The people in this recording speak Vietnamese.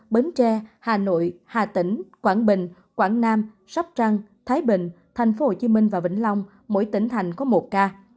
bến tre hà nội hà tĩnh quảng bình quảng nam sóc trăng thái bình tp hcm và vĩnh long mỗi tỉnh thành có một ca